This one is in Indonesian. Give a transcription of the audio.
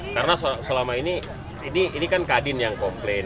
karena selama ini ini kan kadin yang komplain